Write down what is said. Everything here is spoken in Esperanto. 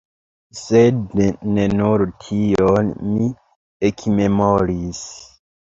Sed ne nur tion mi ekmemoris.